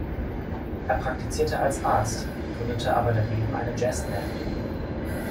Er praktizierte als Arzt, gründete aber daneben eine Jazzband.